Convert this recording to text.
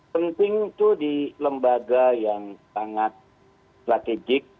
penting itu di lembaga yang sangat strategik